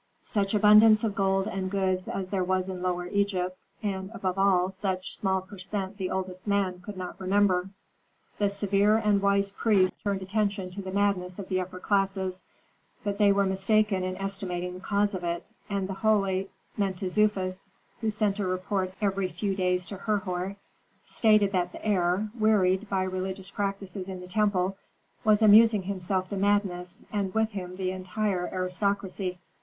Such abundance of gold and goods as there was in Lower Egypt, and, above all, such small per cent the oldest men could not remember. The severe and wise priests turned attention to the madness of the upper classes; but they were mistaken in estimating the cause of it, and the holy Mentezufis, who sent a report every few days to Herhor, stated that the heir, wearied by religious practices in the temple, was amusing himself to madness, and with him the entire aristocracy.